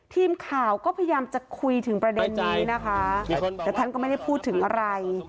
ทีมข่าวก็พยายามจะคุยถึงประเด็นนี้นะคะแต่ท่านก็ไม่ได้พูดถึงอะไร